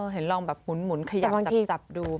เห็นลองแบบหมุนขยับจับดู